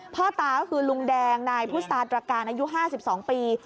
พ่อตาก็คือลุงแดงนายพุษาตรการอายุ๕๒ปี